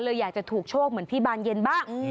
อยากจะถูกโชคเหมือนพี่บานเย็นบ้าง